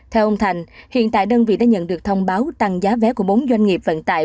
theo ông thành hiện tại đơn vị đã nhận được thông báo tăng giá vé của bốn doanh nghiệp vận tải